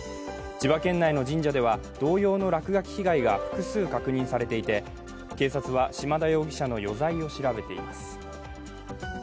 千葉県内の神社では同様の落書き被害が複数確認されていて警察は島田容疑者の余罪を調べています。